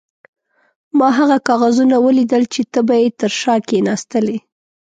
ما هغه کاغذونه ولیدل چې ته به یې تر شا کښېناستلې.